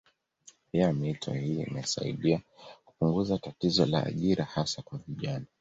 Pia mito hii imesaidia kupunguza tatizo la ajira hasa kwa vijana